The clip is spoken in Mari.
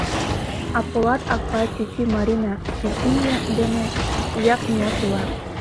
А Полат Акпай чӱчӱ Марина чӱчӱньӧ дене ӱяк-мӱяк ила.